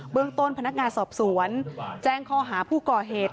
เมืองต้นพนักงานสอบสวนแจ้งข้อหาผู้ก่อเหตุ